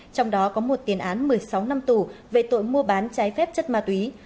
trong đó có một tiền án một mươi sáu năm tù về tội mua bán trái phép chất ma túy